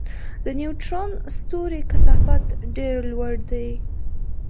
د نیوټرون ستوري کثافت ډېر لوړ دی.